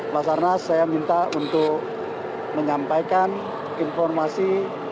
basarnas saya minta untuk menyampaikan informasi